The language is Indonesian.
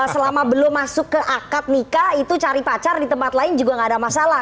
selama belum masuk ke akad nikah itu cari pacar di tempat lain juga nggak ada masalah